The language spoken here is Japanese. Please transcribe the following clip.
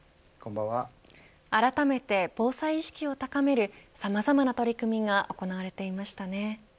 あらためて防災意識を高めるさまざまな取り組みが行われていましたね。